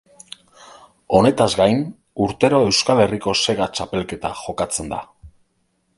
Honetaz gain urtero Euskal Herriko Sega Txapelketa jokatzen da.